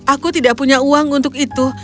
aku tidak punya uang untuk itu